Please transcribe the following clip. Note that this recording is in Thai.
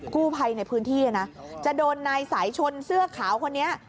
กู้ภัยในพื้นที่นะจะโดนนายสายชนเสื้อขาวคนนี้